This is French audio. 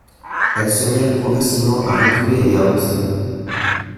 Elles se mirent progressivement à reculer et avancer.